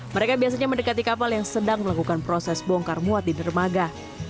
mereka biasanya mendekati kapal yang sedang melakukan proses bongkar muat di dermaga